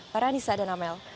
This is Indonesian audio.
para anissa dan amel